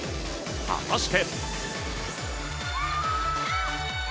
果たして。